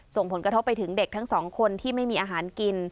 ส่งผลกระทบไปถึงเด็กทั้งสองคนที่ไม่มีอาหารกิน